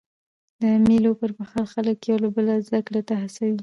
د مېلو پر مهال خلک یو له بله زدهکړي ته هڅوي.